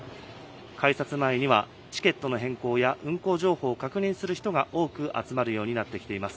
改札前には、チケットの変更や、運行情報を確認する人が多く集まるようになってきています。